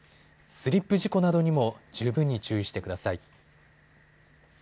スリップ事故などにも十分に注意してください。